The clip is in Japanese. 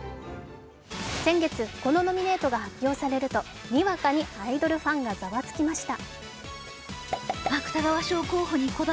先月、このノミネートが発表されるとにわかにアイドルファンがざわつきました。